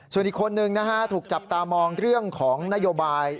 ส่วนอีกคนนึงนะฮะถูกจับตามองเรื่องของนโยบาย